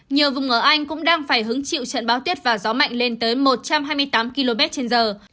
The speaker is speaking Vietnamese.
nhiều vùng ở anh cũng đang phải hứng chịu trận bão tuyết và gió mạnh lên tới một trăm hai mươi tám km trên giờ